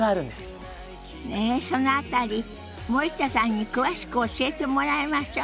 ねえその辺り森田さんに詳しく教えてもらいましょ。